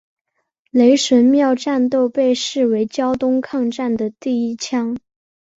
雷神庙战斗被视为胶东抗战的第一枪。